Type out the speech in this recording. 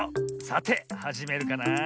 さてはじめるかなあ。